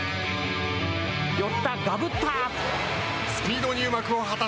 寄った、がぶった。